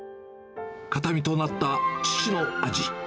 形見となった父の味。